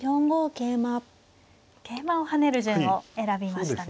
桂馬を跳ねる順を選びましたね。